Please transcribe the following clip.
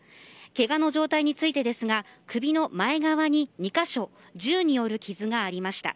けがの状態についてですが首の前側に２カ所銃による傷がありました。